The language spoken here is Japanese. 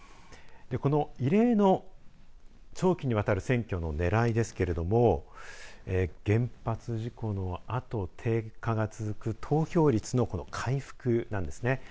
この異例の長期にわたる選挙のねらいですけど原発事故のあと低下が続く投票率の、この回復なんですね。